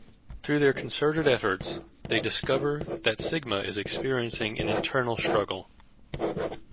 Through their concerted efforts, they discover that Sigma is experiencing an internal struggle.